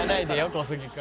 小杉君。